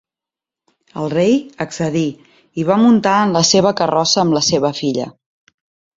El rei accedí i va muntar en la seva carrossa amb la seva filla.